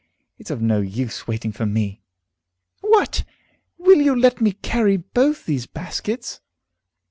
It's of no use waiting for me." "What! Will you let me carry both these baskets?"